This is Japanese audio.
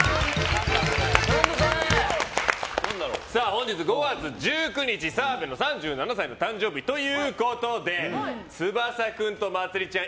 本日５月１９日澤部の３７歳の誕生日ということで翼君とまつりちゃん